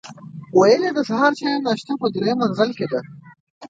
ویل یې د سهار چای او ناشته په درېیم منزل کې ده.